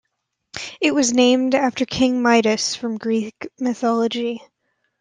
It was named after King Midas from Greek mythology.